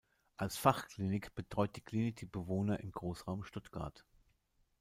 Als Fachklinik betreut die Klinik die Bewohner im Großraum Stuttgart.